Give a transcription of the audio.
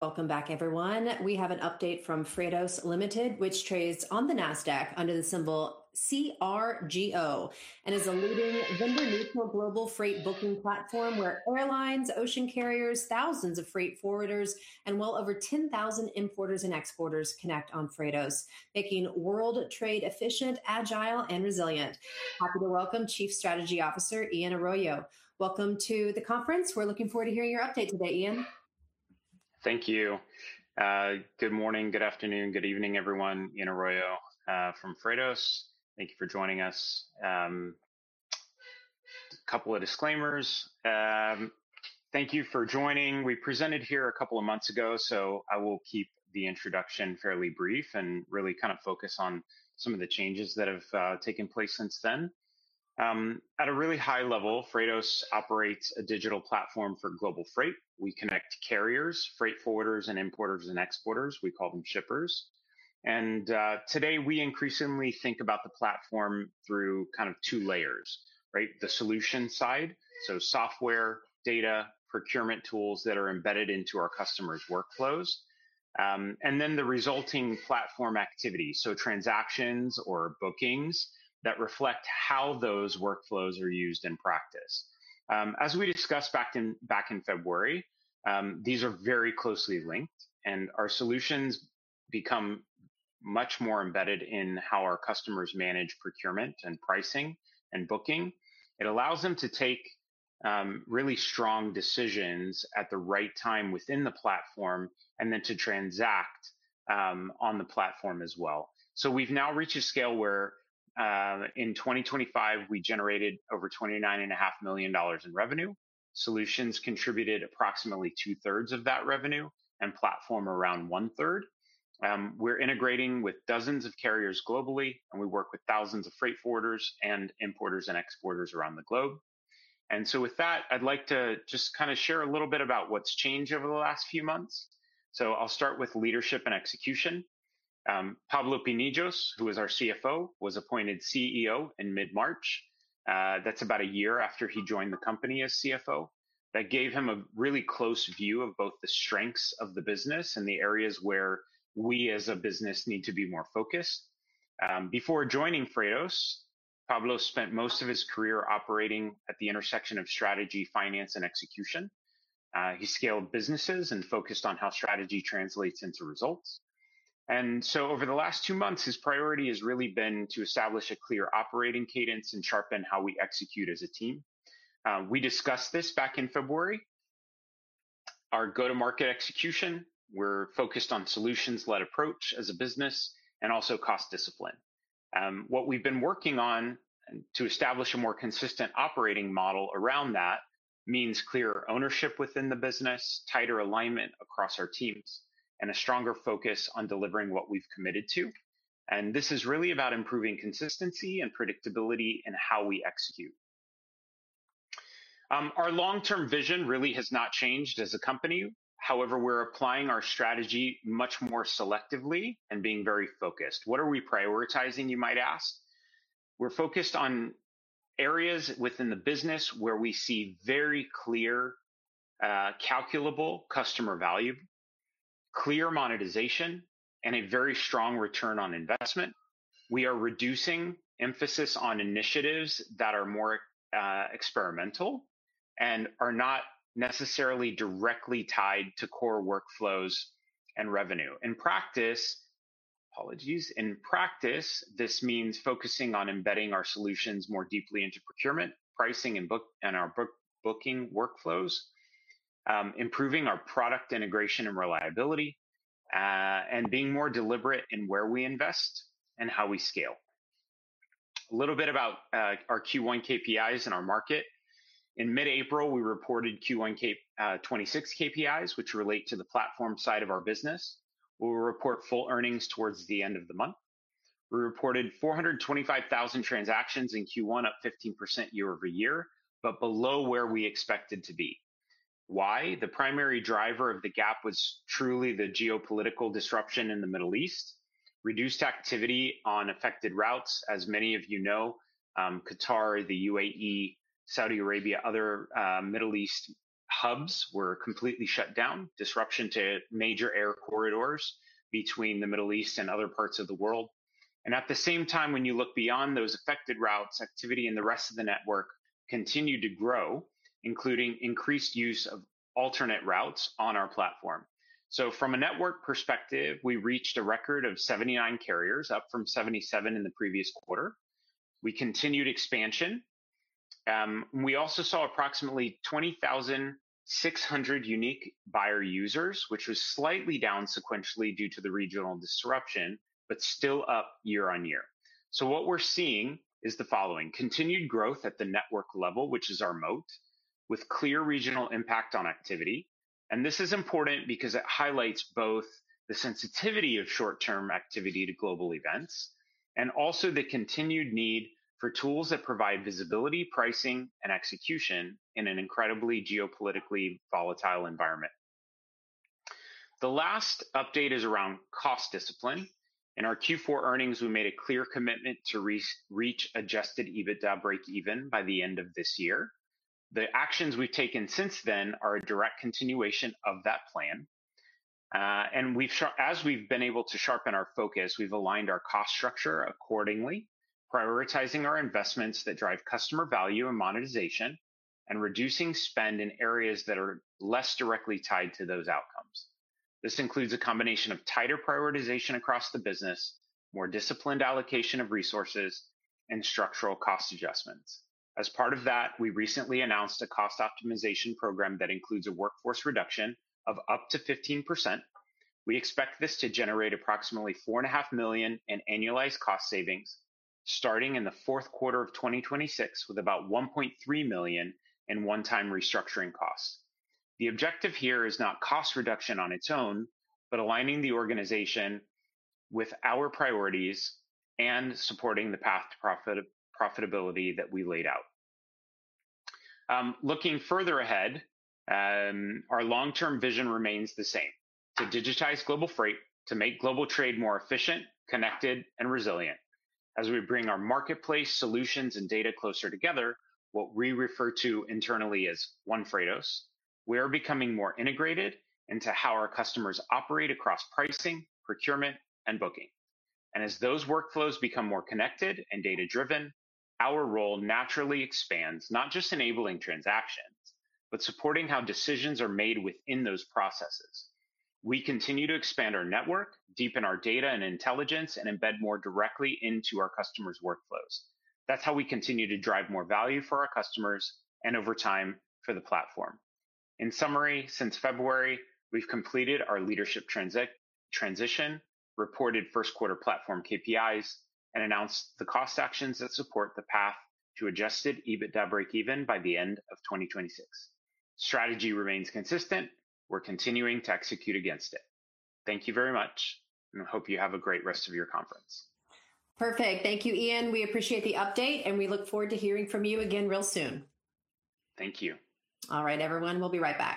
Welcome back, everyone. We have an update from Freightos Limited, which trades on the Nasdaq under the symbol CRGO, and is a leading vendor-neutral global freight booking platform where airlines, ocean carriers, thousands of freight forwarders, and well over 10,000 importers and exporters connect on Freightos, making world trade efficient, agile, and resilient. Happy to welcome Chief Strategy Officer, Ian Arroyo. Welcome to the conference. We're looking forward to hearing your update today, Ian. Thank you. Good morning, good afternoon, good evening, everyone. Ian Arroyo from Freightos. Thank you for joining us. A couple of disclaimers. Thank you for joining. We presented here a couple of months ago. I will keep the introduction fairly brief and really kind of focus on some of the changes that have taken place since then. At a really high level, Freightos operates a digital platform for global freight. We connect carriers, freight forwarders, and importers and exporters. We call them shippers. Today, we increasingly think about the platform through kind of two layers, right? The solution side, so software, data, procurement tools that are embedded into our customers' workflows, and then the resulting platform activity, so transactions or bookings that reflect how those workflows are used in practice. As we discussed back in, back in February, these are very closely linked, and our solutions become much more embedded in how our customers manage procurement and pricing and booking. It allows them to take really strong decisions at the right time within the platform and then to transact on the platform as well. We've now reached a scale where in 2025, we generated over $29.5 million in revenue. Solutions contributed approximately 2/3 of that revenue, and platform around 1/3. We're integrating with dozens of carriers globally, and we work with thousands of freight forwarders and importers and exporters around the globe. With that, I'd like to just kind of share a little bit about what's changed over the last few months. I'll start with leadership and execution. Pablo Pinillos, who is our CFO, was appointed CEO in mid-March. That's about a year after he joined the company as CFO. That gave him a really close view of both the strengths of the business and the areas where we as a business need to be more focused. Before joining Freightos, Pablo spent most of his career operating at the intersection of strategy, finance, and execution. He scaled businesses and focused on how strategy translates into results. Over the last two months, his priority has really been to establish a clear operating cadence and sharpen how we execute as a team. We discussed this back in February. Our go-to-market execution, we're focused on solutions-led approach as a business and also cost discipline. What we've been working on to establish a more consistent operating model around that means clearer ownership within the business, tighter alignment across our teams, and a stronger focus on delivering what we've committed to. This is really about improving consistency and predictability in how we execute. Our long-term vision really has not changed as a company. However, we're applying our strategy much more selectively and being very focused. What are we prioritizing, you might ask. We're focused on areas within the business where we see very clear, calculable customer value, clear monetization, and a very strong return on investment. We are reducing emphasis on initiatives that are more experimental and are not necessarily directly tied to core workflows and revenue. Apologies. In practice, this means focusing on embedding our solutions more deeply into procurement, pricing, and our booking workflows, improving our product integration and reliability, being more deliberate in where we invest and how we scale. A little bit about our Q1 KPIs and our market. In mid-April, we reported Q1 2026 KPIs, which relate to the platform side of our business. We will report full earnings towards the end of the month. We reported 425,000 transactions in Q1, up 15% year-over-year, below where we expected to be. Why? The primary driver of the gap was truly the geopolitical disruption in the Middle East. Reduced activity on affected routes, as many of you know, Qatar, the UAE, Saudi Arabia, other Middle East hubs were completely shut down. Disruption to major air corridors between the Middle East and other parts of the world. At the same time, when you look beyond those affected routes, activity in the rest of the network continued to grow, including increased use of alternate routes on our platform. From a network perspective, we reached a record of 79 carriers, up from 77 in the previous quarter. We continued expansion. We also saw approximately 20,600 unique buyer users, which was slightly down sequentially due to the regional disruption, but still up year-on-year. What we're seeing is the following: continued growth at the network level, which is our moat, with clear regional impact on activity. This is important because it highlights both the sensitivity of short-term activity to global events and also the continued need for tools that provide visibility, pricing, and execution in an incredibly geopolitically volatile environment. The last update is around cost discipline. In our Q4 earnings, we made a clear commitment to reach adjusted EBITDA breakeven by the end of this year. The actions we've taken since then are a direct continuation of that plan. As we've been able to sharpen our focus, we've aligned our cost structure accordingly, prioritizing our investments that drive customer value and monetization, and reducing spend in areas that are less directly tied to those outcomes. This includes a combination of tighter prioritization across the business, more disciplined allocation of resources, and structural cost adjustments. As part of that, we recently announced a cost optimization program that includes a workforce reduction of up to 15%. We expect this to generate approximately $4.5 million In annualized cost savings starting in the fourth quarter of 2026, with about $1.3 million in one-time restructuring costs. The objective here is not cost reduction on its own, but aligning the organization with our priorities and supporting the path to profitability that we laid out. Looking further ahead, our long-term vision remains the same: to digitize global freight, to make global trade more efficient, connected and resilient. As we bring our marketplace solutions and data closer together, what we refer to internally as One Freightos, we are becoming more integrated into how our customers operate across pricing, procurement, and booking. As those workflows become more connected and data-driven, our role naturally expands, not just enabling transactions, but supporting how decisions are made within those processes. We continue to expand our network, deepen our data and intelligence, and embed more directly into our customers' workflows. That's how we continue to drive more value for our customers, and over time, for the platform. In summary, since February, we've completed our leadership transition, reported first quarter platform KPIs, and announced the cost actions that support the path to adjusted EBITDA breakeven by the end of 2026. Strategy remains consistent. We're continuing to execute against it. Thank you very much, and I hope you have a great rest of your conference. Perfect. Thank you, Ian. We appreciate the update, and we look forward to hearing from you again real soon. Thank you. All right, everyone, we'll be right back.